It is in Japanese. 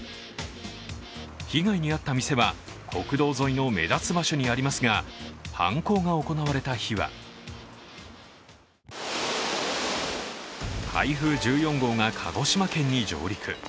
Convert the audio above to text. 被害に遭った店は国道沿いの目立つ場所にありますが、犯行が行われた日は台風１４号が鹿児島県に上陸。